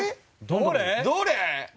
どれ？